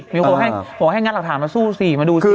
มีคนให้บอกให้งัดหลักฐานมาสู้สิมาดูสิ